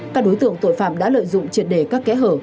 các đối tượng tội phạm đã lợi dụng triệt đề các kẽ hở